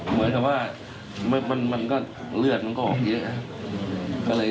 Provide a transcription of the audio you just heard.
เหมือนกันว่ามันก็เลือดผู้เลือดออกเดี๋ยว